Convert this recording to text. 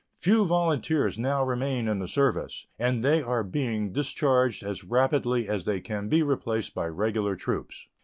Few volunteers now remain in the service, and they are being discharged as rapidly as they can be replaced by regular troops.